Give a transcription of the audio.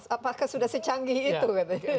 apakah sudah secanggih itu